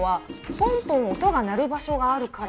「ポンポン音が鳴る場所があるから」